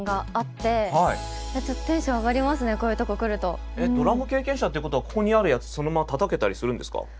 私えっ？ドラム経験者っていうことはここにあるやつそのままたたけたりするんですか？